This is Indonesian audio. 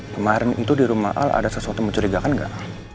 kemarin itu di rumah al ada sesuatu mencurigakan nggak